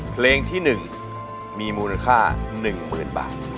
เพลงที่๑มีมูลค่า๑๐๐๐บาท